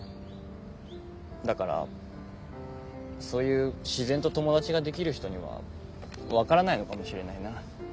だからそういう自然と友達ができる人には分からないのかもしれないな。